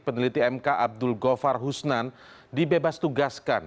peneliti mk abdul govar husnan dibebas tugaskan